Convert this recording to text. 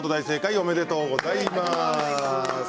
おめでとうございます。